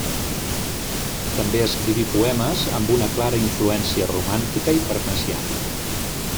També escriví poemes amb una clara influència romàntica i parnassiana.